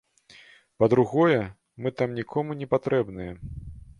Па-другое, мы там нікому не патрэбныя.